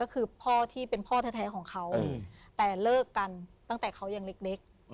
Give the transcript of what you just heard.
ก็คือพ่อที่เป็นพ่อแท้ของเขาแต่เลิกกันตั้งแต่เขายังเล็ก